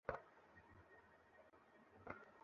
তুমি ট্রেনে উঠো।